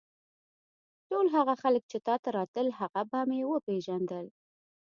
ټول هغه خلک چې تا ته راتلل هغه به مې وپېژندل.